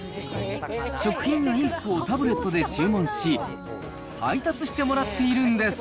食品、衣服をタブレットで注文し、配達してもらっているんです。